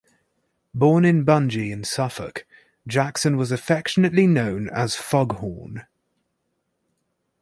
Born in Bungay in Suffolk, Jackson was affectionately known as "Foghorn".